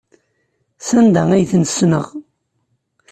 S anda i ten-ssneɣ.